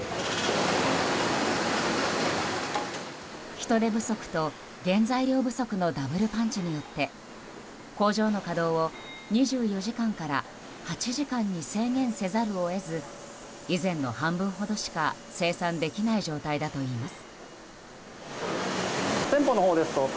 人手不足と原材料不足のダブルパンチによって工場の稼働を、２４時間から８時間に制限せざるを得ず以前の半分ほどしか生産できない状態だといいます。